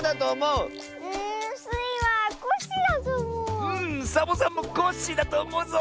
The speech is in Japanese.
うんサボさんもコッシーだとおもうぞ！